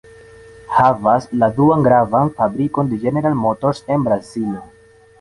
Havas la duan gravan fabrikon de General Motors en Brazilo.